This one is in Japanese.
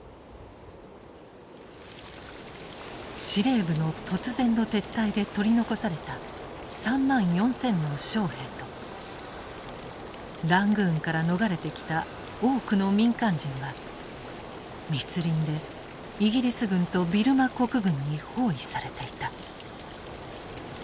司令部の突然の撤退で取り残された３万４，０００の将兵とラングーンから逃れてきた多くの民間人は密林でイギリス軍とビルマ国軍に包囲されていた。